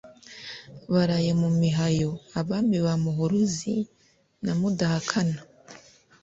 Baraye mu mihayo Abami ba Muhuruzi na Mudahakana,